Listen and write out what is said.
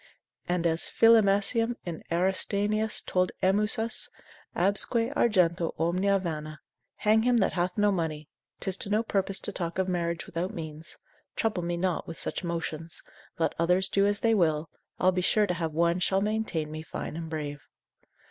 And as Philemasium in Aristaenetus told Emmusus, absque argento omnia vana, hang him that hath no money, 'tis to no purpose to talk of marriage without means, trouble me not with such motions; let others do as they will, I'll be sure to have one shall maintain me fine and brave.